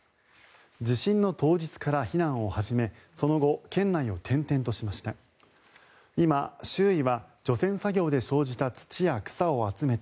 地震の当日から避難を始めその後、県内を転々としました。